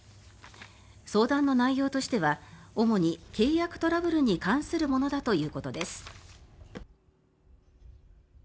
相談の内容としては主に契約トラブルに関するものだということです。